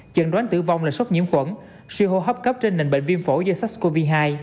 chẳng đoán tử vong là sốc nhiễm khuẩn siêu hô hấp cấp trên nền bệnh viêm phổ do sars cov hai